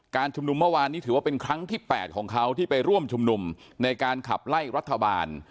ชุมนุมเมื่อวานนี้ถือว่าเป็นครั้งที่๘ของเขาที่ไปร่วมชุมนุมในการขับไล่รัฐบาล